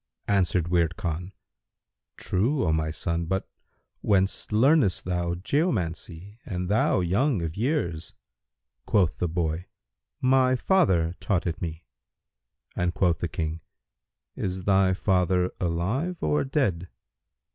'" Answered Wird Khan, "True, O my son, but whence learnedest thou geomancy and thou young of years?" Quoth the boy, "My father taught it me;" and quoth the King, "Is thy father alive or dead?"